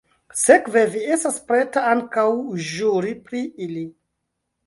Sekve vi estas preta ankaŭ ĵuri pri ili?